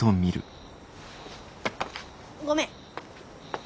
ごめん！